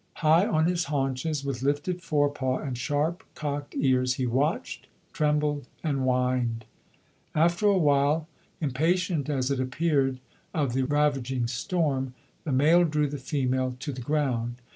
High on his haunches, with lifted forepaw and sharp cocked ears, he watched, trembled and whined. After a while, impatient as it appeared of the ravaging storm, the male drew the female to the ground.